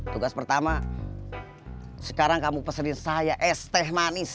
tugas pertama sekarang kamu pesenin saya es teh manis